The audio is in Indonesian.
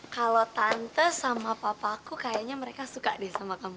kalau tante sama papa aku kayaknya mereka suka deh sama kamu